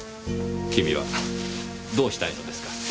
君はどうしたいのですか？